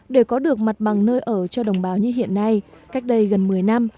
để có được mặt bằng nơi ở cho đồng bào như hiện nay cách đây gần một mươi năm